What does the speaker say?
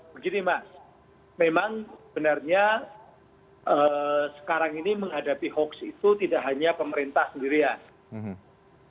begini mas memang benarnya sekarang ini menghadapi hoax itu tidak hanya pemerintah sendirian